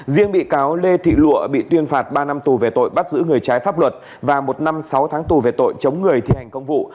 riêng bị cáo lê thị lụa bị tuyên phạt ba năm tù về tội bắt giữ người trái pháp luật và một năm sáu tháng tù về tội chống người thi hành công vụ